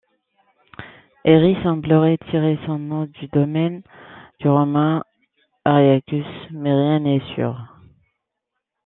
Héry semblerait tirer son nom du domaine du romain Ariacus, mais rien n'est sûr.